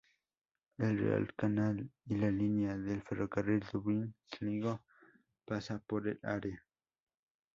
El Real Canal y la línea del ferrocarril Dublín-Sligo pasa por el área.